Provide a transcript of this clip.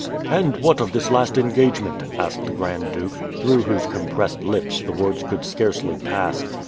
"And what of this last engagement?" asked the Grand Duke, through whose compressed lips the words could scarcely pass.